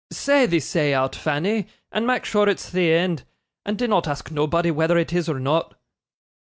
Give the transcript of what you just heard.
'Say thee say out, Fanny, and mak' sure it's the end, and dinnot ask nobody whether it is or not.